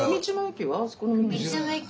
道の駅？